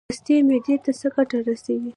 مستې معدې ته څه ګټه رسوي؟